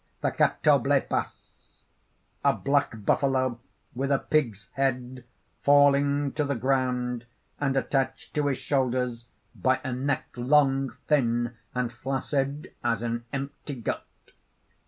_) THE CATOBLEPAS (_A black buffalo with a pig's head, falling to the ground, and attached to his shoulders by a neck long, thin, and flaccid as an empty gut.